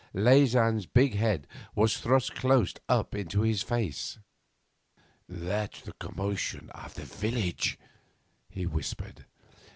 Leysin's big head was thrust close up into his face. 'That's the commotion in the village,' he whispered.